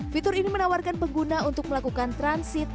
fitur ini menawarkan pengguna untuk melakukan transit